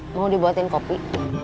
mau dibuatin kopi